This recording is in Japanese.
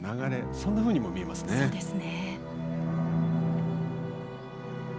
そんなふうにも見えますね。